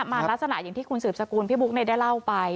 ลักษณะอย่างที่คุณสืบสกุลพี่บุ๊กได้เล่าไป